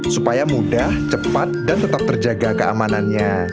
supaya mudah cepat dan tetap terjaga keamanannya